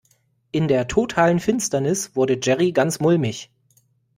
In der totalen Finsternis wurde Jerry ganz mulmig.